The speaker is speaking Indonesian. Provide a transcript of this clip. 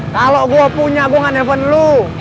kalo gua punya gua ngehaven lu